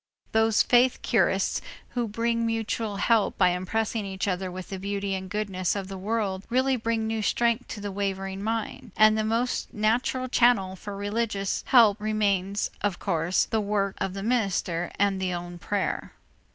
Those faith curists who bring mutual help by impressing each other with the beauty and goodness of the world really bring new strength to the wavering mind; and the most natural channel for religious help remains, of course, the word of the minister and the own prayer.